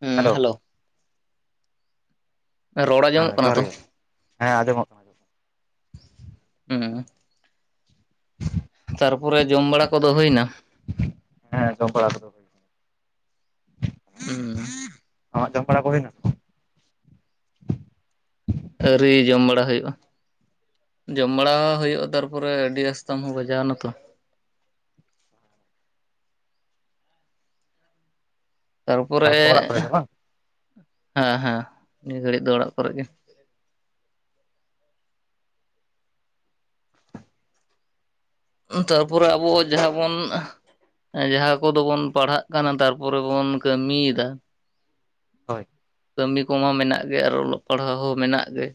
ᱦᱩᱸ ᱦᱮᱞᱳ᱾ ᱨᱚᱲ ᱦᱮᱸ ᱟᱡᱚᱢᱚᱜ ᱠᱟᱱᱟ ᱡᱚᱦᱟᱨ ᱛᱚ ᱜᱮ [inaudible] ᱦᱮᱸ ᱟᱸᱡᱚᱢᱚᱜ ᱠᱟᱱᱟ ᱦᱩᱸ ᱛᱟᱨᱯᱚᱨᱮ ᱡᱚᱢ ᱵᱟᱲᱟ ᱠᱚᱫᱚ ᱦᱩᱭᱱᱟ ᱦᱮᱸ ᱪᱚᱢᱯᱟᱲ ᱠᱚ ᱦᱩᱸ [inaudible] ᱟᱢᱟᱜ ᱡᱚᱢ ᱯᱟᱲᱟ ᱠᱚᱱᱟ ᱟᱹᱣᱨᱤ ᱡᱚᱢ ᱵᱟᱲᱟ ᱦᱩᱭᱩᱜᱼᱟ ᱡᱚᱢ ᱵᱟᱲᱟ ᱦᱩᱭᱩᱜᱼᱟ ᱛᱟᱨᱯᱚᱨᱮ ᱟᱹᱰᱤ ᱨᱟᱥᱛᱟᱢ ᱦᱚᱸ ᱵᱟᱡᱟᱣ ᱮᱱᱟ ᱛᱚ ᱛᱟᱨᱯᱚᱨᱮ ᱛᱟᱨᱯᱚᱨ ᱚᱲᱟᱜ ᱠᱚᱨᱮ ᱜᱮ ᱵᱟᱝ ᱦᱮᱸ ᱦᱮᱸ ᱱᱤᱭᱟᱹ ᱜᱷᱟᱹᱲᱤᱡ ᱫᱚ ᱚᱲᱟᱜ ᱠᱚᱨᱮ ᱜᱮ ᱛᱟᱨᱯᱚᱨᱮ ᱟᱵᱚ ᱡᱟᱦᱟᱸ ᱵᱚᱱ ᱡᱟᱦᱟᱸ ᱠᱚᱫᱚ ᱵᱚᱱ ᱯᱟᱲᱦᱟᱜ ᱠᱟᱱᱟ ᱛᱟᱨᱯᱚᱨᱮ ᱵᱚᱱ ᱠᱟᱹᱢᱤᱭᱮᱫᱟ ᱦᱚᱭ ᱠᱟᱹᱢᱤ ᱠᱚᱢᱟ ᱢᱮᱱᱟᱜ ᱜᱮ ᱟᱨ ᱚᱞᱚᱜ ᱯᱟᱲᱦᱟᱣ ᱦᱚᱸ ᱢᱮᱱᱟᱜ ᱜᱮ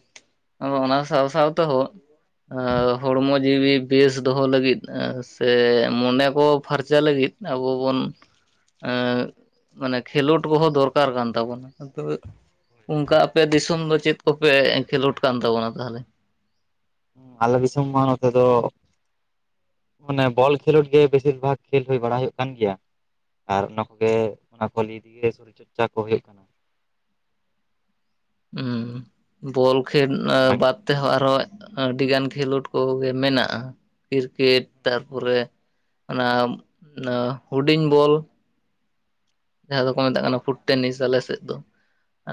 ᱟᱫᱚ ᱚᱱᱟ ᱥᱟᱶ ᱥᱟᱶ ᱛᱮᱦᱚᱸ ᱦᱚᱲᱢᱚ ᱡᱤᱣᱤ ᱵᱮᱥ ᱫᱚᱦᱚ ᱞᱟᱹᱜᱤᱫ ᱥᱮ ᱢᱚᱱᱮ ᱠᱚ ᱯᱷᱟᱨᱪᱟ ᱞᱟᱹᱜᱤᱫ ᱟᱵᱚ ᱵᱚᱱ ᱢᱟᱱᱮ ᱠᱷᱮᱞᱳᱰ ᱵᱚᱦᱚᱸ ᱫᱚᱨᱠᱟᱨ ᱠᱟᱱ ᱛᱟᱵᱚᱱᱟ ᱟᱫᱚ ᱚᱱᱠᱟ ᱟᱯᱮ ᱫᱤᱥᱚᱢ ᱫᱚ ᱪᱮᱫ ᱠᱚᱯᱮ ᱠᱷᱮᱞᱳᱰ ᱠᱟᱱ ᱛᱟᱵᱚᱱᱟ ᱛᱟᱦᱚᱞᱮ ᱟᱞᱮ ᱫᱤᱥᱚᱢ ᱢᱟ ᱱᱚᱛᱮ ᱫᱚ ᱢᱟᱱᱮ ᱵᱚᱞ ᱠᱷᱮᱞᱳᱰ ᱜᱮ ᱵᱮᱥᱤᱨ ᱵᱷᱟᱜᱽ ᱠᱷᱮᱞ ᱦᱩᱭ ᱵᱟᱲᱟ ᱦᱩᱭᱩᱜ ᱠᱟᱱ ᱜᱮᱭᱟ ᱟᱨ ᱚᱱᱟ ᱠᱚᱜᱮ ᱚᱱᱟ ᱠᱚ ᱞᱤᱭ ᱫᱟᱜᱮ [unintelligible] ᱪᱚᱨᱪᱟ ᱠᱚ ᱦᱩᱭᱩᱜ ᱠᱟᱱᱟ ᱦᱚ ᱵᱚᱞ ᱠᱷᱮᱞ ᱚᱱᱟᱜᱮ ᱵᱟᱫ ᱛᱮᱦᱚᱸ ᱟᱨᱦᱚ ᱟᱹᱰᱤᱜᱟᱱ ᱠᱷᱮᱞᱳᱰ ᱠᱚᱜᱮ ᱢᱮᱱᱟᱜᱼᱟ ᱠᱤᱨᱠᱮᱴ ᱛᱟᱨᱯᱚᱨᱮ ᱚᱱᱟ ᱦᱩᱰᱤᱧ ᱵᱚᱞ ᱡᱟᱦᱟᱸ ᱦᱳᱭ ᱫᱚᱠᱚ ᱦᱳᱭ ᱢᱮᱛᱟᱜ ᱠᱟᱱᱟ ᱯᱷᱩᱴ ᱴᱮᱱᱤᱥ ᱟᱞᱮᱥᱮᱫ ᱫᱚ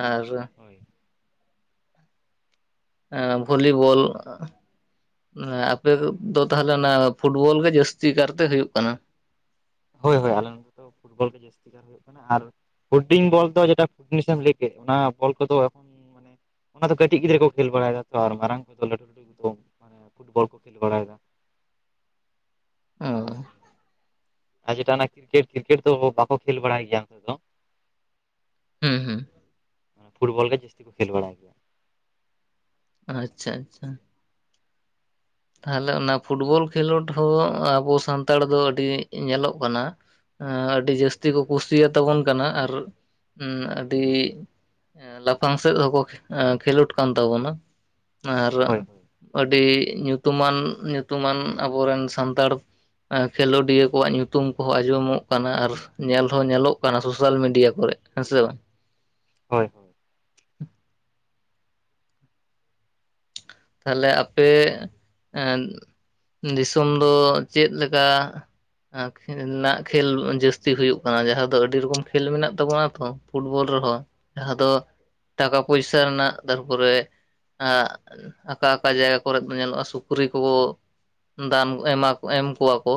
ᱟᱨ [inaudible] ᱵᱷᱚᱞᱤᱵᱚᱞ ᱟᱯᱮ ᱫᱚ ᱛᱟᱦᱚᱞᱮ ᱚᱱᱟ ᱯᱷᱩᱴᱵᱚᱞ ᱜᱮ ᱡᱟᱹᱥᱛᱤ ᱠᱟᱨᱛᱮ ᱦᱩᱭᱩᱜ ᱠᱟᱱᱟ ᱦᱚᱭ ᱦᱚᱭ ᱟᱞᱮᱰᱮᱚ ᱯᱷᱩᱴᱚᱞ ᱜᱮ ᱡᱟᱹᱥᱛᱤ [inaudible] ᱟᱨ ᱯᱷᱩᱰᱤᱝ ᱵᱚᱞ ᱫᱚ ᱡᱮᱴᱟ ᱯᱷᱩᱤᱥ ᱮᱢ ᱞᱟᱹᱭ ᱠᱮᱫ ᱚᱱᱟ ᱵᱚᱞ ᱠᱚᱫᱚ ᱢᱟᱱᱮ ᱚᱱᱟ ᱫᱚ ᱠᱟᱹᱴᱤᱡ ᱜᱤᱫᱽᱨᱟᱹ ᱠᱚ ᱠᱷᱮᱞ ᱵᱟᱲᱟᱭᱮᱫᱟ ᱛᱚ ᱟᱨ ᱢᱟᱨᱟᱝ ᱠᱚᱫᱚ ᱞᱟᱹᱴᱩ ᱞᱟᱹᱴᱩ ᱠᱚᱫᱚ ᱢᱟᱱᱮ ᱯᱷᱩᱴᱵᱚᱞ ᱠᱚ ᱠᱷᱮᱞ ᱵᱟᱲᱟᱭᱮᱫᱟ ᱚ ᱟᱨ ᱡᱮᱴᱟ ᱚᱱᱟ ᱠᱨᱤᱠᱮᱴ ᱠᱨᱤᱠᱮᱴ ᱫᱚ ᱵᱟᱠᱚ ᱠᱷᱮᱞ ᱵᱟᱲᱟᱭ ᱜᱮᱭᱟ ᱱᱤᱛ ᱫᱚ ᱦᱮᱸ ᱦᱮᱸ ᱯᱷᱩᱴᱵᱚᱞ ᱜᱮ ᱡᱟᱹᱥᱛᱤ ᱠᱷᱮᱞ ᱵᱟᱲᱟᱭ ᱜᱮᱭᱟ ᱟᱪᱷᱟ ᱟᱪᱷᱟ ᱛᱟᱦᱚᱞᱮ ᱚᱱᱟ ᱯᱷᱩᱴᱵᱚᱞ ᱠᱷᱮᱞᱚᱰ ᱦᱚᱸ ᱟᱵᱚ ᱥᱟᱱᱛᱟᱲ ᱫᱚ ᱟᱹᱰᱤ ᱧᱮᱞᱚᱜ ᱠᱟᱱᱟ ᱟᱹᱰᱤ ᱡᱟᱹᱥᱛᱤ ᱠᱚ ᱠᱩᱥᱤᱭᱟᱛᱟᱵᱚᱱ ᱠᱟᱱᱟ ᱟᱨ ᱟᱹᱰᱤ ᱞᱟᱯᱷᱟᱝ ᱥᱮᱫ ᱦᱚᱸᱠᱚ ᱠᱷᱮᱞᱚᱰ ᱠᱟᱱ ᱛᱟᱵᱚᱱᱟ ᱟᱨ ᱦᱳᱭ ᱦᱳᱭ ᱟᱹᱰᱤ ᱧᱩᱛᱩᱢᱟᱱ ᱧᱩᱛᱩᱢᱟᱱ ᱟᱵᱚᱨᱮᱱ ᱥᱟᱱᱛᱟᱲ ᱠᱷᱮᱞᱳᱰᱤᱭᱟᱹ ᱠᱚᱣᱟᱜ ᱧᱩᱛᱩᱢ ᱠᱚᱦᱚᱸ ᱟᱸᱡᱚᱢᱚᱜ ᱠᱟᱱᱟ ᱟᱨ ᱧᱮᱞ ᱦᱚᱸ ᱧᱮᱞᱚᱜ ᱠᱟᱱᱟ ᱥᱳᱥᱟᱞ ᱢᱤᱰᱤᱭᱟ ᱠᱚᱨᱮ ᱦᱮᱸ ᱥᱮ ᱵᱟᱝ? ᱦᱚᱭ ᱦᱚᱭ ᱛᱟᱦᱚᱞᱮ ᱟᱯᱮ ᱫᱤᱥᱚᱢ ᱫᱚ ᱪᱮᱫ ᱞᱮᱠᱟ ᱨᱮᱱᱟᱜ ᱠᱷᱮᱞ ᱡᱟᱹᱥᱛᱤ ᱦᱩᱭᱩᱜᱳ ᱠᱟᱱᱟ ᱡᱟᱦᱟᱸ ᱫᱚ ᱟᱹᱰᱤ ᱨᱚᱠᱚᱢ ᱠᱷᱮᱞ ᱢᱮᱱᱟᱜ ᱛᱟᱵᱚᱱᱟ ᱛᱚ ᱯᱷᱩᱴᱵᱚᱞ ᱨᱮᱦᱚᱸ ᱡᱟᱦᱟᱸ ᱫᱚ ᱴᱟᱠᱟ ᱯᱚᱭᱥᱟ ᱨᱮᱱᱟᱜ ᱛᱟᱨᱯᱚᱨᱮ ᱚᱠᱟ ᱚᱠᱟ ᱡᱟᱭᱜᱟ ᱠᱚᱨᱮᱫ ᱵᱚᱱ ᱧᱮᱞᱚᱜᱼᱟ ᱥᱩᱠᱨᱤ ᱠᱚᱵᱚ ᱫᱟᱱ ᱮᱢᱟ ᱮᱢ ᱠᱚᱣᱟ ᱠᱚ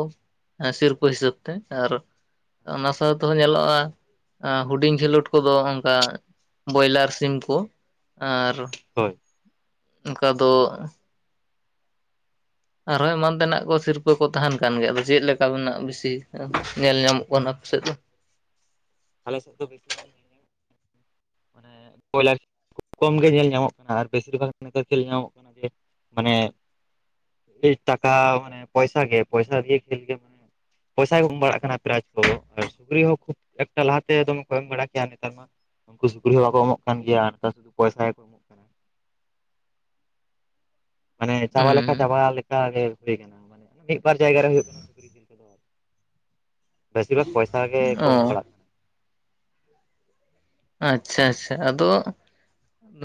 ᱥᱤᱨᱯᱟᱹ ᱦᱤᱥᱟᱹᱵ ᱛᱮ ᱟᱨ ᱚᱱᱟ ᱥᱟᱶ ᱛᱮᱦᱚᱸ ᱧᱮᱞᱚᱜᱼᱟ ᱦᱩᱰᱤᱧ ᱠᱷᱮᱞᱚᱰ ᱠᱚᱫᱚ ᱚᱱᱠᱟ ᱵᱚᱭᱞᱟᱨ ᱥᱤᱢ ᱠᱚ ᱟᱨ ᱦᱚᱭ ᱚᱱᱠᱟ ᱫᱚ ᱟᱨᱦᱚᱸ ᱮᱢᱟᱱ ᱛᱮᱱᱟᱜ ᱠᱚ ᱥᱤᱨᱯᱟᱹ ᱠᱚ ᱛᱟᱦᱮᱱ ᱠᱟᱱ ᱜᱮᱭᱟ᱾ ᱟᱫᱚ ᱪᱮᱫ ᱞᱮᱠᱟ ᱢᱮᱱᱟᱜ ᱵᱤᱥᱤ ᱧᱮᱞ ᱧᱟᱢᱚᱜ ᱠᱟᱱᱟ ᱟᱯᱮ ᱥᱮᱫ ᱫᱚ ᱟᱞᱮ ᱥᱮᱫᱚ ᱵᱤᱨ ᱫᱤᱥᱚᱢ [inaudible] ᱢᱟᱱᱮ ᱵᱚᱭᱞᱟᱨ᱾ ᱠᱚᱢ ᱜᱮ ᱧᱮᱞ ᱧᱟᱢᱚᱜ ᱠᱟᱱᱟ᱾ ᱟᱨ ᱵᱮᱥᱤᱨ ᱵᱷᱟᱜᱽ ᱱᱮᱛᱟᱨ ᱠᱷᱮᱞ ᱧᱟᱢᱚᱜ ᱠᱟᱱᱟ ᱡᱮ ᱢᱟᱱᱮ ᱵᱮᱥ ᱴᱟᱠᱟ ᱢᱟᱱᱮ ᱯᱚᱭᱥᱟ ᱜᱮ, ᱯᱚᱭᱥᱟ ᱫᱤᱭ ᱠᱷᱮᱹᱞ ᱜᱮ, ᱢᱟᱱᱮ ᱯᱚᱭᱥᱟ ᱠᱚ ᱮᱢ ᱵᱟᱲᱟᱜ ᱠᱟᱱᱟ ᱯᱨᱟᱭᱤᱡ ᱠᱚ ᱫᱚ ᱟᱨ ᱥᱩᱠᱨᱤ ᱦᱚᱸ ᱠᱷᱩᱵ ᱮᱴᱟᱜ ᱞᱟᱦᱟᱛᱮ ᱫᱚᱢᱮ ᱠᱚ ᱮᱢ ᱵᱟᱲᱟ ᱠᱮᱭᱟ᱾ ᱱᱮᱛᱟᱨ ᱢᱟ ᱩᱱᱠᱩ ᱥᱩᱠᱨᱤ ᱦᱚᱸ ᱵᱟᱠᱚ ᱮᱢᱚᱜ ᱠᱟᱱ ᱜᱮᱭᱟ᱾ ᱱᱮᱛᱟᱨ ᱥᱩᱫᱩ ᱯᱚᱭᱥᱟ ᱜᱮ ᱢᱟᱱᱮ ᱪᱟᱵᱟ ᱞᱮᱠᱟ ᱦᱩᱸ ᱪᱟᱵᱟ ᱞᱮᱠᱟ ᱜᱮ ᱦᱩᱭ ᱠᱟᱱᱟ ᱢᱤᱫᱵᱟᱨ ᱡᱟᱭᱜᱟ ᱨᱮ ᱦᱩᱭᱩᱜ ᱠᱟᱱᱟ ᱵᱮᱥᱤᱨ ᱵᱷᱟᱜᱽ ᱯᱚᱭᱥᱟ ᱜᱮᱠᱚ ᱮᱢ ᱚ ᱵᱟᱲᱟᱜ ᱠᱟᱱᱟ᱾ ᱟᱪᱪᱷᱟ ᱟᱪᱪᱷᱟ, ᱟᱫᱚ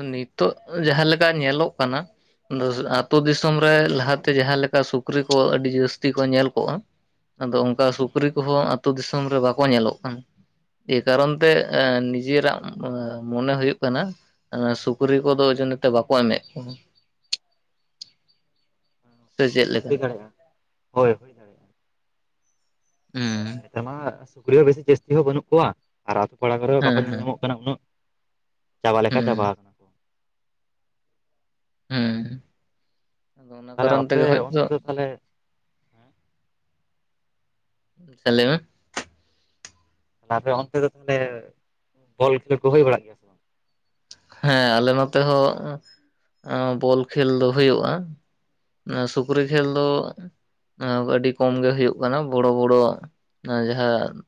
ᱱᱤᱛᱚᱜ ᱡᱟᱦᱟᱸᱞᱮᱠᱟ ᱧᱮᱞᱚᱜ ᱠᱟᱱᱟ, ᱟᱛᱳ ᱫᱤᱥᱚᱢ ᱨᱮ ᱞᱟᱦᱟᱛᱮ ᱡᱟᱦᱟᱸ ᱞᱮᱠᱟ ᱥᱩᱠᱨᱤ ᱠᱚ ᱟᱹᱰᱤ ᱡᱟᱹᱥᱛᱤ ᱠᱚ ᱧᱮᱞ ᱠᱚᱜᱼᱟ᱾ ᱟᱫᱚ ᱚᱝᱠᱟ ᱥᱩᱠᱨᱤ ᱠᱚᱦᱚᱸ ᱟᱹᱛᱩ ᱫᱤᱥᱚᱢ ᱨᱮ ᱵᱟᱠᱚ ᱧᱮᱞᱚᱜ ᱠᱟᱱᱟ᱾ ᱮ ᱠᱟᱨᱚᱱ ᱛᱮ, ᱟ ᱱᱤᱡ ᱡᱤᱭᱟᱹ ᱨᱟᱜ ᱢᱚᱱᱮ ᱦᱳᱭᱜ ᱠᱟᱱᱟ, ᱥᱩᱠᱨᱤ ᱠᱚᱫᱚ ᱳᱡᱚᱱᱮ ᱛᱮ ᱵᱟᱠᱚ ᱮᱢᱮᱫ ᱠᱚᱣᱟ᱾ ᱠᱟᱱᱟ ᱥᱮ ᱪᱮᱫ ᱞᱮᱠᱟ? ᱦᱩᱭ ᱫᱟᱲᱮᱭᱟᱜᱼᱟ᱾ ᱦᱳᱭ ᱦᱚᱭ᱾ ᱦᱩᱸ ᱱᱮᱛᱟᱨ ᱢᱟ ᱥᱩᱠᱨᱤ ᱦᱚᱸ ᱵᱮᱥᱤ ᱡᱟᱹᱥᱛᱤ ᱦᱚᱸ ᱵᱟᱹᱱᱩᱜ ᱠᱚᱣᱟ᱾ ᱟᱨᱟᱛᱳ ᱯᱟᱲᱟ ᱠᱚᱨᱮ ᱦᱮᱸ ᱵᱟᱠᱚ ᱧᱮᱞ ᱦᱮᱸ ᱧᱟᱢᱚᱜ ᱠᱟᱱᱟ ᱩᱱᱟᱹᱜ᱾ ᱪᱟᱵᱟ ᱞᱮᱠᱟ ᱪᱟᱵᱟ ᱦᱩᱸ ᱟᱠᱟᱱᱟ ᱠᱚ ᱦᱩᱸ ᱟᱫᱚ ᱚᱱᱟ ᱛᱟᱦᱚᱞᱮ ᱠᱟᱨᱚᱱ ᱟᱯᱮ ᱛᱮᱜᱮ ᱦᱳᱭᱛᱚ᱾ ᱚᱱᱛᱮ ᱫᱚ ᱛᱟᱦᱚᱞᱮ ᱥᱟᱞᱟᱹᱭ ᱢᱮ, ᱛᱚ ᱟᱯᱮ ᱚᱱᱛᱮ ᱫᱚ ᱛᱟᱦᱞᱮ, ᱵᱚᱞ ᱠᱷᱮᱹᱞ ᱠᱚ ᱦᱩᱭ ᱵᱟᱲᱟᱜ ᱜᱮᱭᱟ ᱥᱮ ᱵᱟᱝ ᱦᱮᱸ, ᱟᱞᱮ ᱱᱚᱛᱮ ᱦᱚᱸ ᱵᱚᱞ ᱠᱷᱮᱹᱞ ᱫᱚ ᱦᱩᱭᱩᱜᱼᱟ᱾ ᱚᱱᱟ ᱥᱩᱠᱨᱤ ᱠᱷᱮᱹᱞ ᱫᱚ ᱟᱹᱰᱤ ᱠᱚᱢ ᱜᱮ ᱦᱩᱭᱩᱜ ᱠᱟᱱᱟ᱾ ᱵᱚᱲᱚ ᱵᱚᱲᱚ ᱡᱟᱦᱟᱸ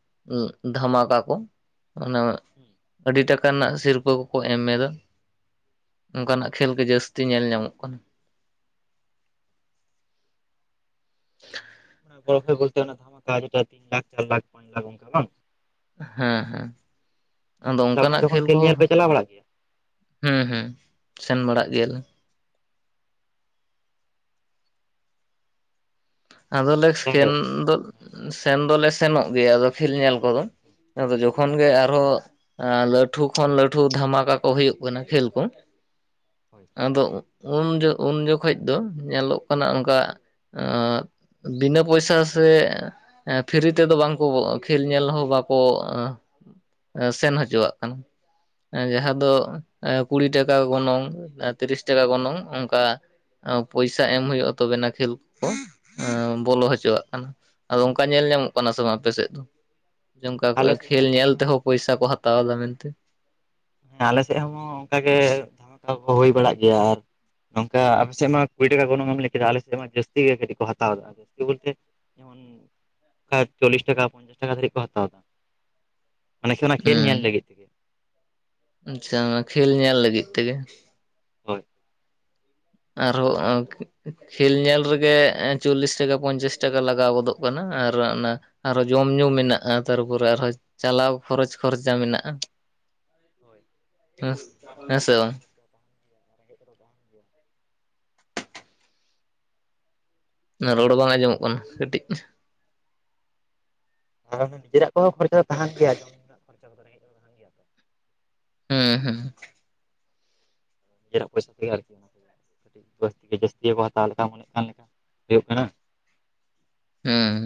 ᱫᱷᱟᱢᱟᱠᱟ ᱠᱚ᱾ ᱚᱱᱟ, ᱟᱹᱰᱤ ᱴᱟᱠᱟ ᱨᱮᱱᱟᱜ ᱥᱤᱨᱯᱟᱹ ᱠᱚ ᱠᱚ ᱮᱢᱮᱫᱟ᱾ ᱚᱝᱠᱟᱱᱟᱜ ᱠᱷᱮᱹᱞ ᱜᱮ ᱡᱟᱹᱥᱛᱤ ᱧᱮᱞ ᱧᱟᱢᱚᱜ ᱠᱟᱱᱟ᱾ [unintelligible] ᱵᱚᱞ ᱠᱷᱮᱹᱞ ᱵᱚᱞᱛᱮ ᱚᱱᱟ ᱫᱷᱟᱢᱟᱠᱟ᱾ [unintelligible] ᱛᱤᱱ ᱞᱟᱠᱷ, ᱪᱟᱨ ᱞᱟᱠᱷ, ᱯᱟᱸᱪ ᱞᱟᱠᱷ, ᱚᱱᱠᱟ ᱵᱟᱝ? ᱦᱮᱸ ᱦᱮᱸ, ᱟᱫᱚ ᱛᱟᱦᱚᱞᱮ ᱚᱱᱟ ᱚᱝᱠᱟᱱᱟᱜ ᱡᱚᱠᱷᱚᱱ ᱠᱷᱮᱹᱞ ᱠᱷᱮᱞ ᱧᱮᱞ ᱠᱚᱦᱚᱸ ᱯᱮ ᱪᱟᱞᱟᱣ ᱵᱟᱲᱟᱜ ᱜᱮᱭᱟ ᱦᱩᱸ ᱦᱩᱸ, ᱥᱮᱱ ᱵᱟᱲᱟᱜ ᱜᱮᱭᱟᱞᱮ᱾ ᱟᱫᱚᱞᱮ ᱛᱟᱦᱚᱞᱮ ᱥᱮᱱ ᱫᱚ ᱥᱮᱱ ᱫᱚᱞᱮ ᱥᱮᱱᱚᱜ ᱜᱮᱭᱟ᱾ ᱟᱫᱚ ᱠᱷᱮᱹᱞ ᱧᱮᱞ ᱠᱚᱫᱚ᱾ ᱟᱫᱚ ᱡᱚᱠᱷᱚᱱ ᱜᱮ, ᱟᱨᱦᱚᱸ ᱞᱟᱹᱴᱷᱩ ᱠᱷᱚᱱ ᱞᱟᱹᱴᱷᱩ ᱫᱷᱟᱢᱟᱠᱟ ᱠᱚ ᱦᱩᱭᱩᱜ ᱠᱟᱱᱟ᱾ ᱠᱷᱮᱹᱞ ᱠᱚ᱾ ᱦᱳᱭ ᱟᱫᱚ ᱩᱱ ᱡᱚ, ᱩᱱ ᱡᱚᱠᱷᱚᱡ ᱫᱚ ᱧᱮᱞᱚᱜ ᱠᱟᱱᱟ ᱚᱱᱠᱟ, ᱟᱸᱻ ᱵᱤᱱᱟᱹ ᱯᱚᱭᱥᱟ ᱟ ᱥᱮ ᱯᱷᱨᱤ ᱛᱮᱫᱚ, ᱵᱟᱝᱠᱚ ᱠᱷᱮᱞ ᱧᱮᱞ ᱦᱚᱸ ᱵᱟᱠᱚ ᱮᱸ ᱥᱮᱱ ᱦᱚᱪᱚᱣᱟᱜ ᱠᱟᱱᱟ᱾ ᱡᱟᱦᱟᱸ ᱫᱚ, ᱠᱩᱲᱤ ᱴᱟᱠᱟ ᱜᱚᱱᱚᱝ, ᱛᱤᱨᱤᱥ ᱴᱟᱠᱟ, ᱜᱚᱱᱚᱝ ᱚᱝᱠᱟ᱾ ᱯᱚᱭᱥᱟ ᱮᱢ ᱦᱩᱭᱩᱜᱼᱟ, ᱛᱚᱵᱮᱱᱟ ᱠᱷᱮᱹᱞ ᱠᱚ ᱠᱚ ᱮᱸᱻ ᱵᱚᱞᱚ ᱦᱚᱪᱚᱣᱟᱜ ᱠᱟᱱᱟ᱾ ᱟᱫᱚ ᱚᱝᱠᱟ ᱧᱮᱞ ᱧᱟᱢᱚᱜ ᱠᱟᱱᱟ ᱥᱮ ᱵᱟᱝ ᱟᱯᱮᱥᱮᱫ ᱫᱚ ᱡᱮ ᱚᱝᱠᱟ ᱟᱞᱮ ᱥᱮᱫ ᱠᱷᱮᱹᱞ ᱦᱚᱸ ᱧᱮᱞ ᱢᱟ ᱛᱮᱦᱚᱸ ᱯᱚᱭᱥᱟ ᱠᱚ ᱦᱟᱛᱟᱣ ᱮᱫᱟ ᱢᱮᱱᱛᱮ᱾ ᱦᱮᱸ, ᱟᱞᱮ ᱥᱮᱫ ᱦᱚᱸ ᱚᱝᱠᱟᱜ ᱜᱮ [unintelligible] ᱠᱚ ᱦᱩᱭ ᱵᱟᱲᱟᱜ ᱜᱮᱭᱟ ᱟᱨ ᱜᱚᱝᱠᱮ ᱟᱯᱮ ᱥᱮᱫ ᱢᱟ ᱠᱩᱲᱤ ᱴᱟᱠᱟ ᱜᱚᱱᱚᱝ ᱮᱢ ᱞᱮ ᱠᱮᱫᱟ᱾ ᱟᱞᱮ ᱥᱮᱫ ᱢᱟ ᱡᱟᱹᱥᱛᱤ ᱜᱮ ᱠᱟᱹᱴᱤᱡ ᱠᱚ ᱦᱟᱛᱟᱣ ᱮᱫᱟ᱾ [unintelligible] ᱡᱮᱢᱚᱱ ᱪᱚᱞᱤᱥ ᱴᱟᱠᱟ ᱯᱚᱧᱪᱟᱥ ᱴᱟᱠᱟ ᱫᱷᱵᱤᱡ ᱠᱚ ᱦᱟᱛᱟᱣ ᱮᱫᱟ ᱾ ᱢᱟᱱᱤᱥᱟ ᱨᱮᱱᱟᱜ ᱠᱷᱮᱞ ᱧᱮᱞ ᱞᱟᱹᱜᱤᱫ᱾ ᱛᱮᱜᱮ ᱟᱪᱷᱟ, ᱠᱷᱮᱞ ᱧᱮᱞ ᱞᱟᱹᱜᱤᱫ ᱛᱮᱜᱮ᱾ ᱦᱳᱭ ᱟᱨᱦᱚᱸ ᱠᱷᱮᱹᱞ ᱧᱮᱞ ᱨᱮᱜᱮ, ᱪᱚᱞᱞᱤᱥ ᱴᱟᱠᱟ, ᱯᱚᱧᱪᱟᱥ ᱴᱟᱠᱟ, ᱞᱟᱜᱟᱣ ᱜᱚᱫᱚᱜ ᱠᱟᱱᱟ᱾ ᱟᱨ ᱚᱱᱟ ᱟᱨᱚ ᱡᱚᱢ ᱧᱩ ᱢᱮᱱᱟᱜᱼᱟ᱾ ᱛᱟᱨᱯᱚᱨᱮ ᱟᱨᱦᱚᱸ ᱪᱟᱞᱟᱣ ᱠᱷᱚᱨᱚᱪ ᱠᱷᱚᱨᱪᱟ ᱢᱮᱱᱟᱜᱼᱟ᱾ ᱦᱳᱭ ᱦᱮᱸ, ᱱᱤᱡᱮᱨᱟᱜ ᱦᱚᱸ ᱦᱮᱸ ᱡᱚᱢ ᱥᱮ ᱧᱩ ᱵᱟᱝ? ᱠᱷᱚᱨᱪᱟ ᱛᱟᱦᱮᱱ ᱜᱮᱭᱟ [unintelligible] ᱨᱚᱲᱚ ᱵᱟᱝ ᱟᱸᱡᱚᱢᱚᱜ ᱠᱟᱱᱟ ᱠᱟᱹᱴᱤᱡ ᱾ ᱟᱨ ᱱᱤᱡᱮᱨᱟᱜ ᱠᱚᱦᱚᱸ ᱠᱷᱚᱨᱪᱟ ᱫᱚ ᱛᱟᱦᱮᱱ ᱜᱮᱭᱟ ᱡᱚᱢ ᱧᱩ ᱨᱮᱱᱟᱜ ᱠᱷᱚᱨᱪᱟ ᱠᱚᱫᱚ ᱨᱮᱸᱜᱮᱡ ᱛᱟᱦᱮᱱ ᱜᱮᱭᱟ ᱩᱸ ᱦᱩᱸ ᱱᱤᱡᱮᱨᱟᱜ ᱯᱚᱭᱥᱟ ᱛᱮᱜᱮ ᱟᱨᱠᱤ ᱚᱱᱟ ᱠᱟᱹᱴᱤᱡ ᱡᱟᱹᱥᱛᱤ ᱜᱮ ᱡᱟᱹᱥᱛᱤ ᱜᱮ ᱵᱚᱱ ᱦᱟᱛᱟᱣ ᱞᱮᱠᱟ ᱢᱚᱱᱮ ᱮᱫ ᱠᱟᱱ ᱞᱮᱠᱟ ᱦᱩᱭᱩᱜ ᱠᱟᱱᱟ ᱩᱸᱻ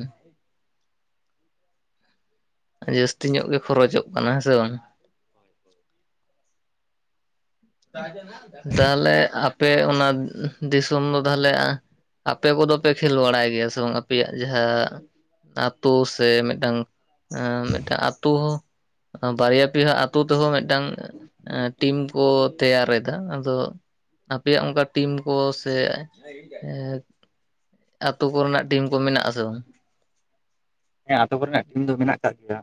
ᱡᱟᱹᱥᱛᱤ ᱧᱚᱜ ᱜᱮ ᱠᱷᱚᱨᱚᱪᱚᱜ ᱠᱟᱱᱟ ᱦᱮᱸ ᱥᱮ ᱵᱟᱝ ᱾ ᱛᱟᱦᱚᱞᱮ ᱟᱯᱮ ᱚᱱᱟ ᱫᱤᱥᱚᱢ ᱫᱚ ᱛᱟᱦᱞᱮ ᱟᱯᱮ ᱠᱚᱫᱚ ᱯᱮ ᱠᱷᱮᱞ ᱵᱟᱲᱟᱭ ᱜᱮᱭᱟ ᱥᱮ ᱵᱟᱝ ᱟᱯᱮᱭᱟᱜ ᱡᱟᱦᱟᱸ ᱟᱛᱳ ᱥᱮ ᱢᱤᱫᱴᱟᱝ ᱢᱤᱫᱴᱟᱝ ᱟᱛᱳ ᱦᱚᱸ ᱵᱟᱨᱭᱟ ᱯᱤᱭᱟ ᱟᱛᱳ ᱛᱮᱦᱚᱸ ᱢᱤᱫᱴᱟᱝ ᱴᱤᱢ ᱠᱚ ᱛᱮᱭᱟᱨ ᱮᱫᱟ ᱟᱫᱚ ᱟᱯᱮᱭᱟᱜ ᱚᱱᱠᱟ ᱴᱤᱢ ᱠᱚ ᱥᱮ [unintelligible] ᱟᱹᱛᱩ ᱠᱚᱨᱮᱱᱟᱜ ᱴᱤᱢ ᱠᱚ ᱢᱮᱱᱟᱜ-ᱟ ᱥᱮ ᱵᱟᱝ? ᱦᱮᱸ ᱟᱛᱳ ᱠᱚᱨᱮᱱᱟᱜ ᱴᱤᱢ ᱫᱚ ᱢᱮᱱᱟᱜ ᱠᱟᱜ ᱜᱮᱭᱟ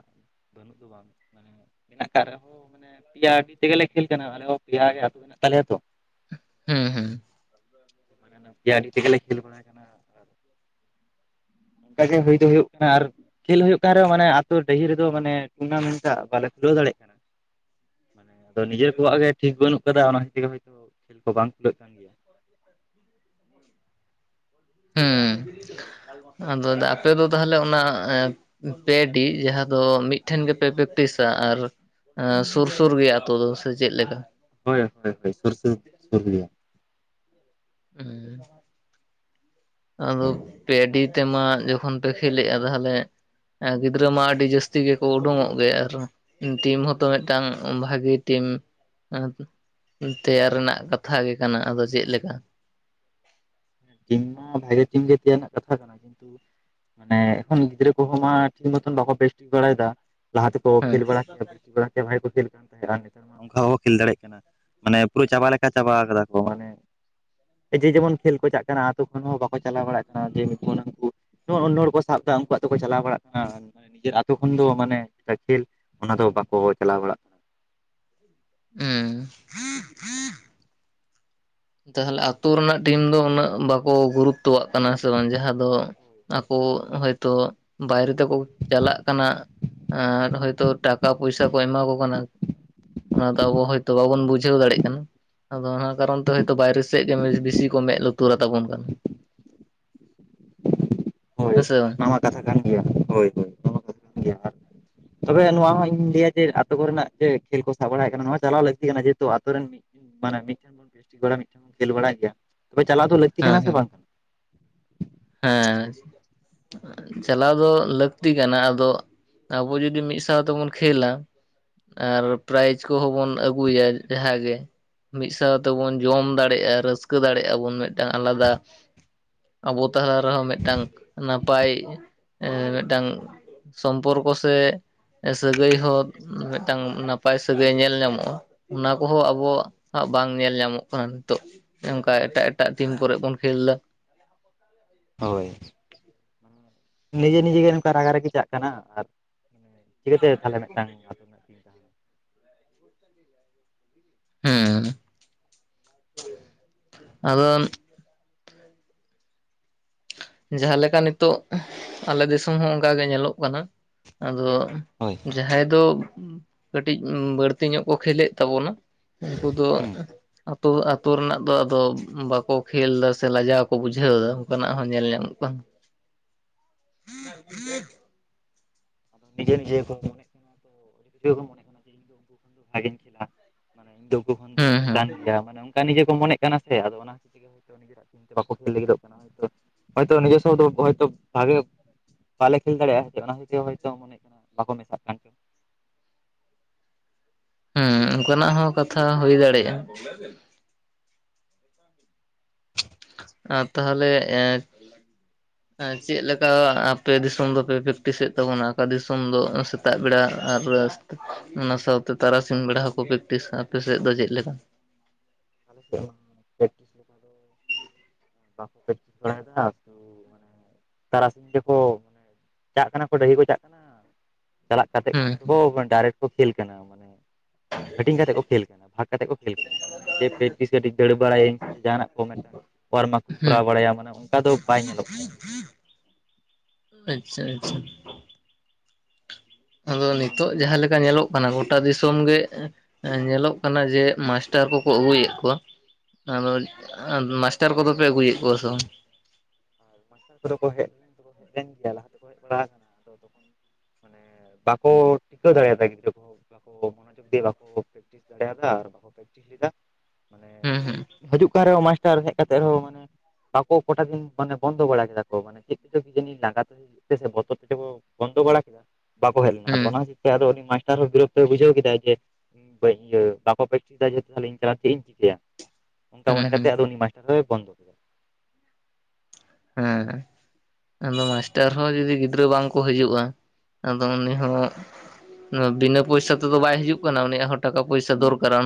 ᱵᱟᱹᱱᱩᱜ ᱫᱚ ᱵᱟᱝ ᱢᱟᱱᱮ ᱢᱮᱱᱟᱜ ᱠᱟᱜ ᱨᱮᱦᱚᱸ ᱢᱟᱱᱮ ᱯᱮᱭᱟ ᱰᱤ ᱛᱮᱜᱮᱞᱮ ᱠᱷᱮᱞ ᱠᱟᱱᱟ, ᱟᱞᱮ ᱦᱚᱸ ᱯᱮᱭᱟ ᱜᱮ ᱟᱹᱛᱩ ᱢᱮᱱᱟᱜ ᱛᱟᱞᱮᱭᱟ ᱛᱚ ᱾ ᱦᱮᱸ ᱦᱮᱸ ᱾ ᱯᱮᱭᱟ ᱰᱤ ᱛᱮᱜᱮᱞᱮ ᱠᱷᱮᱞ ᱵᱟᱲᱟᱭ ᱠᱟᱱᱟ ᱚᱱᱠᱟᱜᱮ ᱦᱩᱭ ᱫᱚ ᱦᱩᱭᱩᱜ ᱠᱟᱱᱟ ᱟᱨ ᱠᱷᱮᱞ ᱦᱩᱭᱩᱜ ᱠᱟᱱ ᱨᱮᱦᱚᱸ ᱢᱟᱱᱮ ᱟᱹᱛᱩ ᱰᱟᱹᱦᱤ ᱨᱮᱫᱚ ᱢᱟᱱᱮ ᱴᱩᱨᱱᱟᱢᱮᱱᱴ ᱴᱟᱜ ᱵᱟᱞᱮ ᱠᱷᱩᱞᱟᱹᱣ ᱫᱟᱲᱮᱭᱟᱜ ᱠᱟᱱᱟ ᱾ [inaudible] ᱢᱟᱱᱮ ᱟᱫᱚ ᱱᱤᱡᱮᱨ ᱠᱚᱣᱟᱜ ᱜᱮ ᱴᱷᱤᱠ ᱵᱟᱹᱱᱩᱜ ᱟᱠᱟᱫᱟ ᱚᱱᱟ ᱦᱚᱛᱮᱜᱮ ᱦᱳᱭᱛᱳ ᱠᱷᱮᱞ ᱠᱚ ᱵᱟᱝ ᱠᱷᱩᱞᱟᱹᱜ ᱠᱟᱱ ᱜᱮᱭᱟ ᱾ ᱦᱮᱸ ᱟᱫᱚ ᱟᱯᱮ ᱫᱚ ᱛᱟᱦᱚᱞᱮ ᱚᱱᱟ ᱯᱮ ᱰᱤ ᱡᱟᱦᱟᱸ ᱫᱚ ᱢᱤᱫᱴᱷᱮᱱ ᱜᱮᱯᱮ ᱯᱨᱮᱠᱴᱤᱥ-ᱟ ᱟᱨ ᱥᱩᱨ ᱥᱩᱨ ᱜᱮᱭᱟ ᱟᱛᱳ ᱫᱚ ᱥᱮ ᱪᱮᱫ ᱞᱮᱠᱟ? ᱦᱳᱭ ᱦᱳᱭ [unintelligible] ᱦᱮᱸ ᱟᱫᱚ ᱯᱮ ᱰᱤ ᱛᱮᱢᱟ ᱡᱚᱠᱷᱚᱱ ᱯᱮ ᱠᱷᱮᱞᱜᱼᱟ ᱛᱟᱦᱚᱞᱮ ᱜᱤᱫᱽᱨᱟᱹ ᱢᱟ ᱟᱹᱰᱤ ᱡᱟᱹᱥᱛᱤ ᱜᱮᱠᱚ ᱩᱰᱚᱸᱜᱚᱜ ᱜᱮ ᱟᱨᱦᱚᱸ ᱾ ᱴᱤᱢ ᱦᱚᱸᱛᱚ ᱢᱤᱫᱴᱟᱝ ᱵᱷᱟᱜᱤ ᱴᱤᱢ [unintelligible] ᱛᱮᱭᱟᱨ ᱨᱮᱱᱟᱜ ᱠᱟᱛᱷᱟ ᱜᱮ ᱠᱟᱱᱟ ᱟᱫᱚ ᱪᱮᱫᱮ ᱞᱮᱠᱟ ᱾ ᱴᱤᱢ ᱢᱟ ᱵᱷᱟᱜᱮ ᱴᱤᱢ ᱜᱮ ᱛᱮᱭᱟᱨ ᱨᱮᱱᱟᱜ ᱠᱟᱛᱷᱟ ᱠᱟᱱᱟ ᱠᱤᱱᱛᱩ ᱢᱟᱱᱮ ᱮᱠᱷᱚᱱ ᱜᱤᱫᱽᱨᱟᱹ ᱠᱚᱦᱚᱸ ᱢᱟ ᱴᱷᱤᱠ ᱢᱚᱛᱚᱱ ᱵᱟᱠᱚ ᱵᱮᱥ ᱴᱷᱤᱠ ᱵᱟᱲᱟᱭᱮᱫᱟ ᱾ ᱞᱟᱦᱟ ᱛᱮᱠᱚ ᱦᱮᱸ ᱠᱷᱮᱞ ᱵᱟᱲᱟ ᱠᱮᱭᱟ ᱵᱴᱤ ᱵᱟᱲᱟ ᱠᱮᱭᱟ ᱵᱷᱟᱭ ᱠᱚ ᱠᱷᱮᱞ ᱠᱟᱱ ᱛᱟᱦᱮᱸᱫ ᱟᱨ ᱱᱮᱛᱟᱨ ᱢᱟ ᱚᱱᱠᱟ ᱦᱚᱸ ᱠᱷᱮᱞ ᱫᱟᱲᱮᱭᱟᱜ ᱠᱟᱱᱟ ᱾ ᱢᱟᱱᱮ ᱯᱩᱨᱟᱹ ᱪᱟᱵᱟ ᱞᱮᱠᱟ ᱪᱟᱵᱟ ᱠᱟᱫᱟ ᱠᱚ ᱢᱟᱱᱮ ᱡᱮ ᱡᱮᱢᱚᱱ ᱠᱷᱮᱞ ᱠᱚ ᱪᱟᱜ ᱠᱟᱱᱟ ᱾ [inaudible] ᱟᱹᱛᱩ ᱠᱷᱚᱱ ᱦᱚᱸ ᱵᱟᱠᱚ ᱪᱟᱞᱟᱣ ᱵᱟᱲᱟᱜ ᱠᱟᱱᱟ ᱡᱮ ᱩᱱᱝᱠᱩ ᱛᱚ ᱚᱱᱱᱳᱦᱚᱲ ᱠᱚ ᱥᱟᱵ ᱫᱟ ᱩᱱᱠᱩᱣᱟᱜ ᱛᱮᱠᱚ ᱪᱟᱞᱟᱣ ᱵᱟᱲᱟᱜ ᱠᱟᱱᱟ ᱾ ᱱᱤᱡᱮᱨ ᱟᱛᱳ ᱠᱷᱚᱱ ᱫᱚ ᱢᱟᱱᱮ [unintelligible] ᱚᱱᱟ ᱫᱚ ᱵᱟᱠᱚ ᱪᱟᱞᱟᱣ ᱵᱟᱲᱟᱜ ᱠᱟᱱᱟ ᱾ ᱦᱩᱸ ᱛᱟᱦᱞᱮ ᱟᱹᱛᱩ ᱨᱮᱱᱟᱜ ᱴᱤᱢ ᱫᱚ ᱩᱱᱟᱹᱜ ᱵᱟᱠᱚ ᱜᱩᱨᱩᱛᱛᱚᱣᱟᱜ ᱠᱟᱱᱟ ᱥᱮ ᱵᱟᱝ ᱡᱟᱦᱟᱸ ᱫᱚ ᱠᱟᱱᱟ ᱟᱠᱚ ᱦᱚᱭᱛᱚ ᱵᱟᱭᱨᱮ ᱛᱮᱠᱚ ᱪᱟᱞᱟᱜ ᱠᱟᱱᱟ ᱾ ᱟᱨ ᱦᱚᱭᱛᱳ ᱴᱟᱠᱟ ᱯᱚᱭᱥᱟ ᱠᱚ ᱮᱢᱟ ᱠᱚ ᱠᱟᱱᱟ ᱾ ᱚᱱᱟ ᱫᱚ ᱟᱵᱚ ᱦᱚᱭᱛᱚ ᱵᱟᱵᱚᱱ ᱵᱩᱡᱷᱟᱹᱣ ᱫᱟᱲᱮᱜ ᱠᱟᱱᱟ, ᱟᱫᱚ ᱚᱱᱟ ᱠᱟᱨᱚᱱ ᱛᱮ ᱛᱚ ᱵᱟᱭᱨᱮ ᱥᱮᱫ ᱜᱮ ᱵᱮᱥᱤ ᱠᱚ ᱢᱮᱸᱫ ᱞᱩᱛᱩᱨ ᱟᱛᱟᱵᱚᱱ ᱠᱟᱱᱟ ᱾ ᱦᱳᱭ ᱦᱮᱸ ᱥᱮ ᱵᱟᱝ ᱱᱟᱣᱟ ᱠᱟᱛᱷᱟ ᱠᱟᱱ ᱜᱮᱭᱟ ᱦᱳᱭ ᱦᱳᱭ ᱱᱟᱣᱟ ᱠᱟᱛᱷᱟ ᱠᱟᱱ ᱜᱮᱭᱟ ᱾ [inaudible] ᱛᱚᱵᱮ ᱱᱚᱣᱟ ᱦᱚᱸ ᱤᱧ ᱞᱟᱹᱭᱟ ᱡᱮ ᱟᱛᱳ ᱠᱚᱨᱮᱱᱟᱜ ᱡᱮ ᱠᱷᱮᱞ ᱠᱚ ᱥᱟᱵ ᱵᱟᱲᱟᱭᱮᱫ ᱠᱟᱱᱟ ᱱᱚᱣᱟ ᱪᱟᱞᱟᱣ ᱞᱟᱹᱠᱛᱤ ᱠᱟᱱᱟ ᱡᱮᱦᱮᱛᱩ ᱟᱛᱳ ᱨᱮᱱ ᱢᱤᱫ ᱢᱟᱱᱮ ᱢᱤᱫᱴᱮᱱ ᱵᱚᱱ [inaudible] ᱢᱤᱫᱴᱮᱱ ᱵ ᱠᱷᱮᱞ ᱵᱟᱲ ᱜᱮᱭᱟ ᱛᱚᱵᱮ ᱪᱟᱞᱟᱣ ᱫᱚ ᱞᱟᱹᱠᱛᱤ ᱦᱮᱸ ᱠᱟᱱᱟ ᱥᱮ ᱦᱮᱸ ᱵᱟᱝ ᱠᱟᱱᱟ? ᱦᱮᱸ ᱪᱟᱞᱟᱣ ᱫᱚ ᱞᱟᱹᱠᱛᱤ ᱠᱟᱱᱟ ᱟᱫᱚ ᱟᱵᱚ ᱡᱩᱫᱤ ᱢᱤᱫ ᱥᱟᱶ ᱛᱮᱵᱚᱱ ᱠᱷᱮᱞᱟ ᱾ ᱟᱨ ᱯᱨᱟᱭᱤᱡᱽ ᱠᱚᱦᱚᱸ ᱵᱚᱱ ᱟᱹᱜᱩᱭᱟ ᱡᱟᱦᱟᱸᱜᱮ ᱾ ᱢᱤᱫ ᱥᱟᱶ ᱛᱮᱵᱚᱱ ᱡᱚᱢ ᱫᱟᱲᱮᱜᱼᱟ, ᱨᱟᱹᱥᱠᱟᱹ ᱫᱟᱲᱮᱜ-ᱟ ᱵᱚᱱ ᱢᱤᱫᱴᱟᱝ ᱟᱞᱟᱫᱟ ᱟᱵᱚ ᱛᱟᱦᱟ ᱨᱮᱦᱚᱸ ᱢᱤᱫᱴᱟᱝ ᱱᱟᱯᱟᱭ ᱮ ᱢᱤᱫᱴᱟᱝ ᱥᱚᱢᱯᱚᱨᱠᱚ ᱥᱮ ᱥᱟᱹᱜᱟᱹᱭ ᱦᱚᱸ ᱢᱤᱫᱴᱟᱝ ᱱᱟᱯᱟᱭ ᱥᱟᱹᱜᱟᱹᱭ ᱧᱮᱞ ᱧᱟᱢᱚᱜᱼᱟ᱾ ᱚᱱᱟ ᱠᱚᱦᱚᱸ ᱟᱵᱚ ᱦᱟᱜ ᱵᱟᱝ ᱧᱮᱞ ᱧᱟᱢᱚᱜ ᱠᱟᱱᱟ ᱱᱤᱛᱚᱜ, ᱚᱱᱠᱟ ᱮᱴᱟᱜ ᱮᱴᱟᱜ ᱴᱤᱢ ᱠᱚᱨᱮᱜ ᱵᱚᱱ ᱠᱷᱮᱞ ᱫᱟ᱾ ᱦᱳᱭ ᱱᱤᱡᱮ ᱱᱤᱡᱮ ᱜᱮ ᱱᱚᱝᱠᱟ ᱨᱟᱜᱟ ᱨᱟᱜᱤ ᱪᱟᱜ ᱠᱟᱱᱟ, ᱟᱨ ᱪᱤᱠᱟᱹᱛᱮ ᱛᱟᱦᱚᱞᱮ ᱢᱤᱫᱴᱟᱝ ᱨᱮᱱᱟᱜ ᱴᱤᱢ ᱛᱟᱦᱮᱱᱟ ᱦᱩᱸ ᱟᱫᱚ ᱡᱟᱦᱟᱸ ᱞᱮᱠᱟ ᱱᱤᱛᱚᱜ ᱟᱞᱮ ᱫᱤᱥᱚᱢ ᱦᱚᱸ ᱚᱱᱠᱟ ᱜᱮ ᱧᱮᱞᱚᱜ ᱠᱟᱱᱟ ᱟᱫᱚ ᱦᱳᱭ, ᱡᱟᱦᱟᱸᱭ ᱫᱚ ᱠᱟᱹᱴᱤᱡ ᱵᱟᱹᱲᱛᱤ ᱧᱚᱜ ᱠᱚ ᱠᱷᱮᱞᱮᱜ ᱛᱟᱵᱚᱱᱟ, ᱩᱱᱠᱩ ᱫᱚ ᱦᱩᱸ ᱟᱛᱳ ᱟᱛᱳ ᱨᱮᱱᱟᱜ ᱫᱚ ᱟᱫᱚ ᱵᱟᱠᱚ ᱠᱷᱮᱞ ᱫᱟ ᱥᱮ ᱞᱟᱡᱟᱣ ᱠᱚ ᱵᱩᱡᱷᱟᱹᱣ ᱮᱫᱟ ᱚᱱᱠᱟ ᱱᱟᱜ ᱦᱚᱸ ᱧᱮᱞ ᱧᱟᱢᱚᱜ [unintelligible] ᱟᱫᱚ ᱱᱤᱡᱮ ᱱᱤᱡᱮ ᱜᱮ ᱠᱚ ᱢᱚᱱᱮᱜ ᱠᱟᱱᱟ ᱛᱚ ᱟᱹᱰᱤ ᱜᱤᱫᱽᱨᱟᱹ ᱜᱮᱠᱚ ᱢᱚᱱᱮᱜ ᱠᱟᱱᱟ ᱡᱮ ᱤᱧ ᱫᱚ ᱩᱱᱠᱩ ᱠᱷᱚᱱ ᱫᱚ ᱵᱷᱟᱜᱤᱧ ᱠᱷᱮᱞᱟ᱾ ᱢᱟᱱᱮ ᱤᱧ ᱫᱚ ᱩᱱᱠᱩ ᱠᱷᱚᱱ ᱦᱩᱸ ᱫᱚᱧ ᱦᱩᱸ ᱪᱮᱛᱟᱱ ᱜᱮᱭᱟ ᱢᱟᱱᱮ ᱚᱱᱠᱟ ᱱᱤᱡᱮ ᱠᱚ ᱢᱚᱱᱮᱜ ᱠᱟᱱᱟ ᱥᱮ ᱟᱫᱚ ᱚᱱᱟ ᱦᱚᱛᱮᱜ ᱛᱮᱜᱮ ᱦᱚᱭᱛᱚ ᱟᱫᱚ ᱱᱤᱡᱮᱨᱟᱜ ᱴᱤᱢ ᱛᱮ ᱵᱟᱠᱚ ᱠᱷᱮᱞ ᱞᱟᱹᱜᱤᱫᱚᱜ ᱠᱟᱱᱟ ᱦᱚᱭᱛᱚ ᱦᱚᱭᱛᱚ ᱱᱤᱡᱚᱥᱚ ᱫᱚ ᱦᱚᱭᱛᱚ ᱵᱷᱟᱜᱮ ᱵᱟᱞᱮ ᱠᱷᱮᱞ ᱫᱟᱲᱮᱜᱼᱟ ᱦᱚᱭᱛᱚ ᱚᱱᱟ ᱠᱷᱟᱹᱛᱤᱨ ᱛᱮᱜᱮ ᱦᱚᱭᱛᱚ ᱢᱚᱱᱮ ᱦᱳᱭᱳᱜ ᱠᱟᱱᱟ ᱵᱟᱠᱚ ᱢᱮᱥᱟᱜ ᱠᱟᱱ ᱪᱚ ᱦᱩᱸ ᱚᱱᱠᱟ ᱱᱟᱜ ᱦᱚᱸ ᱠᱟᱛᱷᱟ ᱦᱩᱭ ᱫᱟᱲᱮᱜᱼᱟ᱾ [inaudible] ᱟᱨ ᱛᱟᱦᱚᱞᱮ ᱮᱸ ᱪᱮᱫ ᱞᱮᱠᱟ ᱟᱯᱮ ᱫᱤᱥᱚᱢ ᱫᱚᱯᱮ ᱯᱮᱠᱴᱤᱥᱮᱫ ᱛᱟᱵᱚᱱᱟ? ᱚᱠᱟ ᱫᱤᱥᱚᱢ ᱫᱚ ᱥᱮᱛᱟᱜ ᱵᱮᱲᱟ? ᱟᱨ ᱚᱱᱟ ᱥᱟᱶᱛᱮ ᱛᱟᱨᱟ ᱥᱤᱧ ᱵᱮᱲᱟ ᱦᱚᱸᱠᱚ ᱯᱮᱠᱴᱤᱥᱟ, ᱟᱯᱮ ᱥᱮᱫ ᱫᱚ ᱪᱮᱫ ᱞᱮᱠᱟ? ᱟᱞᱮ ᱥᱮᱫ ᱦᱚᱸ ᱯᱮᱠᱴᱤᱥ ᱞᱮᱠᱟ ᱫᱚ ᱵᱟᱠᱚ ᱯᱮᱠᱴᱤᱥ ᱵᱟᱲᱟ ᱭᱮᱫᱟ ᱠᱩ ᱛᱟᱨᱟ ᱥᱤᱧ ᱜᱮᱠᱚ ᱢᱟᱱᱮ ᱪᱟᱜ ᱠᱟᱱᱟ ᱠᱚ ᱰᱟᱹᱦᱤ ᱠᱚ ᱪᱟᱜ ᱠᱟᱱᱟ᱾ ᱪᱟᱞᱟᱜ ᱠᱟᱛᱮᱫ ᱦᱩᱸ ᱜᱮᱠᱚ ᱰᱟᱭᱨᱮᱠᱴ ᱠᱚ ᱠᱷᱮᱞ ᱠᱟᱱᱟ ᱢᱟᱱᱮ ᱦᱟᱹᱴᱤᱧ ᱠᱟᱛᱮᱫ ᱠᱚ ᱠᱷᱮᱞ ᱠᱟᱱᱟ ᱵᱷᱟᱜᱽ ᱠᱟᱛᱮᱫ ᱠᱚ ᱠᱷᱮᱞ ᱠᱟᱱᱟ᱾ ᱢᱟᱱᱮ ᱡᱮ ᱯᱮᱠᱴᱤᱥ ᱠᱟᱹᱴᱤᱡ ᱫᱟᱹᱲ ᱵᱟᱲᱟ ᱭᱟᱹᱧ ᱥᱮ ᱪᱮᱫ ᱡᱟᱦᱟᱱᱟᱜ ᱠᱚ ᱢᱮᱫᱴᱟᱝ ᱚᱣᱟᱨ ᱢᱟᱠ ᱠᱚᱧ ᱠᱚᱨᱟᱣ ᱦᱩᱸ ᱵᱟᱲᱟᱭᱟ ᱢᱟᱱᱮ ᱚᱱᱠᱟ ᱫᱚ ᱵᱟᱭ ᱧᱮᱞᱚᱜ ᱠᱟᱱᱟ᱾ [unintelligible] ᱟᱪᱪᱷᱟ ᱟᱪᱪᱷᱟ, ᱟᱫᱚ ᱱᱤᱛᱚᱜ ᱡᱟᱦᱟᱸ ᱞᱮᱠᱟ ᱧᱮᱞᱚᱜ ᱠᱟᱱᱟ ᱜᱳᱴᱟ ᱫᱤᱥᱚᱢ ᱜᱮ ᱧᱮᱞᱚᱜ ᱠᱟᱱᱟ ᱡᱮ ᱢᱟᱥᱴᱟᱨ ᱠᱚᱠᱚ ᱟᱹᱜᱩᱭᱮᱫ ᱠᱚᱣᱟ, ᱟᱫᱚ ᱚᱡ ᱢᱟᱥᱴᱟᱨ ᱠᱚᱫᱚ ᱯᱮ ᱟᱹᱜᱩᱭᱮᱫ ᱠᱚᱣᱟ ᱥᱮ ᱵᱟᱝ? ᱟᱨ ᱢᱟᱥᱴᱟᱨ ᱠᱚᱫᱚ ᱠᱚ ᱦᱮᱡ ᱞᱮᱱ ᱛᱮᱠᱚ ᱦᱮᱡ ᱞᱮᱱ ᱜᱮᱭᱟ ᱞᱟᱦᱟ ᱛᱮᱠᱚ ᱦᱮᱡ ᱵᱟᱲᱟ ᱟᱠᱟᱱᱟ, ᱟᱫᱚ ᱛᱚᱠᱷᱚᱱ ᱢᱟᱱᱮ ᱵᱟᱠᱚ ᱴᱤᱠᱟᱹᱣ ᱫᱟᱲᱮ ᱭᱟᱫᱟ ᱜᱤᱫᱽᱨᱟᱹ ᱠᱚ, ᱵᱟᱠᱚ ᱢᱚᱱᱚ ᱡᱳᱜ ᱫᱤᱭᱮ ᱵᱟᱠᱚ ᱯᱮᱠᱴᱤᱥ ᱫᱟᱲᱮᱭᱟ ᱫᱟ ᱟᱨ ᱵᱟᱠᱚ ᱯᱮᱠᱴᱤᱥ ᱞᱮᱫᱟ᱾ ᱢᱟᱱᱮ ᱦᱩᱸ ᱦᱳᱡᱩᱜ ᱠᱟᱱ ᱨᱮᱦᱚᱸ ᱢᱟᱥᱴᱟᱨ ᱦᱮᱡ ᱠᱟᱛᱮ ᱨᱮᱦᱚᱸ ᱢᱟᱱᱮ ᱵᱟᱠᱚ ᱠᱚᱴᱟ ᱫᱤᱱ ᱢᱟᱱᱮ ᱵᱚᱱᱫᱚ ᱵᱟᱲᱟ ᱠᱮᱫᱟ ᱠᱚ ᱢᱟᱱᱮ ᱪᱮᱫ ᱛᱮᱪᱚ ᱠᱤᱡᱟᱹᱱᱤ ᱞᱟᱸᱜᱟ ᱛᱮ ᱪᱚ ᱪᱮᱫ ᱛᱮ ᱵᱚᱛᱚᱨ ᱛᱮ ᱪᱚ ᱠᱚ ᱵᱚᱱᱫᱚ ᱵᱟᱲᱟ ᱠᱮᱫᱟ᱾ ᱵᱟᱠᱚ ᱦᱮᱡ ᱞᱮᱱᱟ ᱦᱩᱸ ᱟᱫᱚ ᱚᱱᱟ ᱠᱷᱟᱹᱛᱤᱨ ᱛᱮ ᱟᱫᱚ ᱩᱱᱤ ᱢᱟᱥᱴᱟᱨ ᱦᱚᱸ ᱵᱤᱨᱚᱠ ᱛᱚᱭ ᱵᱩᱡᱷᱟᱹᱣ ᱠᱮᱫᱟᱭ ᱡᱮ [unintelligible] ᱤᱭᱟᱹ ᱵᱟᱠᱚ ᱯᱮᱠᱴᱤᱥ ᱫᱟ ᱡᱮᱦᱮᱛᱩ ᱤᱧ ᱪᱟᱞᱟ ᱠᱟᱛᱮᱫ ᱪᱮᱫ ᱤᱧ ᱪᱤᱠᱟᱹᱭᱟ? ᱚᱱᱠᱟ ᱦᱩᱸ ᱦᱩᱸ ᱢᱚᱱᱮ ᱠᱟᱛᱮ ᱦᱩᱸ ᱟᱫᱚ ᱩᱱᱤ ᱢᱟᱥᱴᱟᱨ ᱦᱚᱭ ᱵᱚᱱᱫᱚ ᱠᱮᱫᱟ ᱦᱮᱸ, ᱟᱫᱚ ᱢᱟᱥᱴᱟᱨ ᱦᱚᱸ ᱡᱩᱫᱤ ᱜᱤᱫᱽᱨᱟᱹ ᱵᱟᱝ ᱠᱚ ᱦᱤᱡᱩᱜᱼᱟ ᱟᱫᱚ ᱩᱱᱤ ᱦᱚᱸ ᱵᱤᱱᱟᱹ ᱯᱚᱭᱥᱟ ᱛᱮᱫᱚ ᱵᱟᱭ ᱦᱤᱡᱩᱜ ᱠᱟᱱᱟ ᱩᱱᱤᱭᱟᱜ ᱦᱚᱸ ᱴᱟᱠᱟ ᱯᱚᱭᱥᱟ ᱦᱳᱭ ᱫᱚᱨᱠᱟᱨᱟ᱾